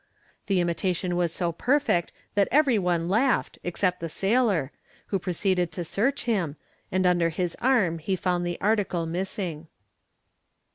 The imitation was so perfect that every one laughed, except the sailor, who proceeded to search him, and under his arm he found the article missing."